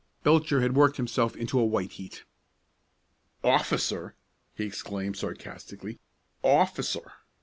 Belcher had worked himself into a white heat. "Officer!" he exclaimed sarcastically; "officer!